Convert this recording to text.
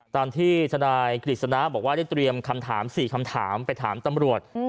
ตามที่ทนายกฤษณะบอกว่าได้เตรียมคำถาม๔คำถามไปถามตำรวจ